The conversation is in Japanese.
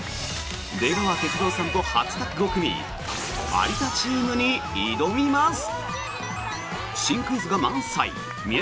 出川哲朗さんと初タッグを組み有田チームに挑みます。